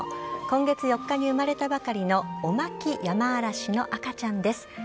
今月４日に生まれたばかりのオマキヤマアラシの赤ちゃんです。